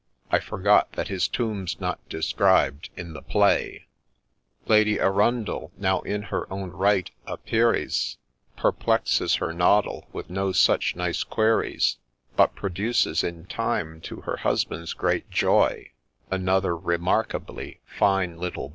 I forgot that his tomb 's not described in the Play I Lady Arundel, now in her own right a Peeress, Perplexes her noddle with no such nice queries, But produces in time, to her husband's great joy, Another remarkably ' fine little boy.'